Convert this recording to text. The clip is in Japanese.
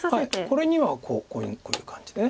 これにはこういう感じで。